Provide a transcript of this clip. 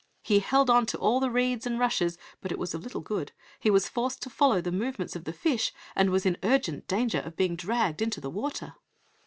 He held on to all the reeds and rushes, but it was of little good, he was forced to follow the movements of the fish, and was in urgent danger of being dragged into the water.